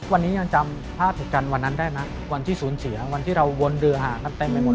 วันนี้ยังจำภาพจุดจันทร์วันนั้นแรกนะวันที่ศูนย์เสียวันที่เราวนเรือหากนั้นเต็มไปหมดเลย